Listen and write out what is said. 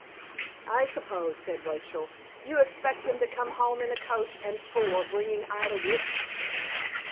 "I suppose," said Rachel, "you expect him to come home in a coach and four, bringing Ida with him."